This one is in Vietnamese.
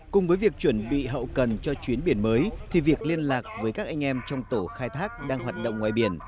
cùng với việc chuẩn bị hậu cần cho chuyến biển mới thì việc liên lạc với các anh em trong tổ khai thác đang hoạt động ngoài biển